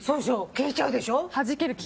消えちゃうでしょ！